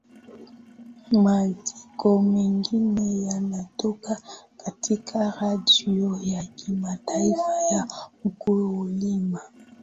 maandiko megine yanatoka katika redio ya kimataifa ya mkulima